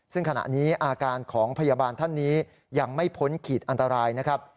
ซึ่งขณะนี้อาการของพยาบาลท่านนี้ยังไม่พ้นขีดอันตรายนะครับ